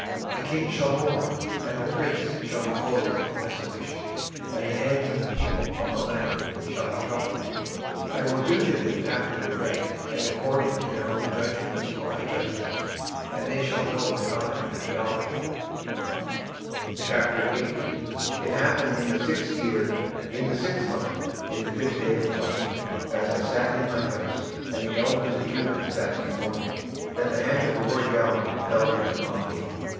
26:007:027 The king shall mourn, and the prince shall be clothed with desolation, and the hands of the people of the land shall be troubled: I will do unto them after their way, and according to their deserts will I judge them; and they shall know that I am the LORD. 26:008:001 And it came to pass in the sixth year, in the sixth month, in the fifth day of the month, as I sat in mine house, and the elders of Judah sat before me, that the hand of the Lord GOD fell there upon me.